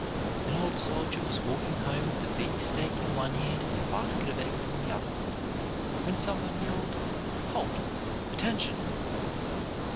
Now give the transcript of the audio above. An old soldier was walking home with a beefsteak in one hand and a basket of eggs in the other, when some one yelled, "Halt! Attention!"